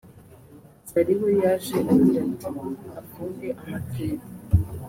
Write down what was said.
Zari we yaje agira ati “Afunge ama dread